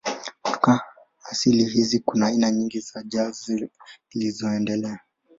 Kutoka asili hizi kuna aina nyingi za jazz zilizoendelea.